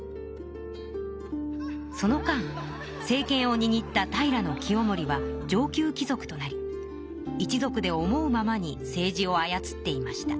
その間政けんをにぎった平清盛は上級き族となり一族で思うままに政治をあやつっていました。